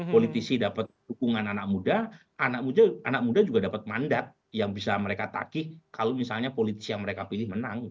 politisi dapat dukungan anak muda anak muda anak muda juga dapat mandat yang bisa mereka tagih kalau misalnya politisi yang mereka pilih menang